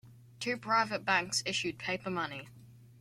Two private banks issued paper money.